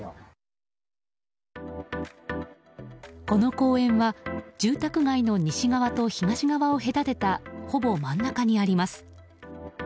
この公園は住宅街の西側と東側を隔てたほぼ真ん中にあります。